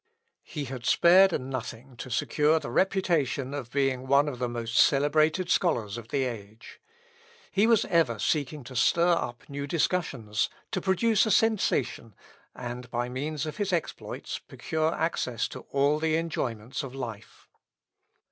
He had spared nothing to secure the reputation of being one of the most celebrated scholars of the age. He was ever seeking to stir up new discussions, to produce a sensation, and by means of his exploits procure access to all the enjoyments of life.